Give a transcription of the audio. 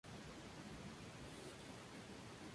La situación actual es relativamente pacífica.